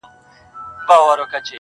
چی هر څوک به په سزا هلته رسېږي!!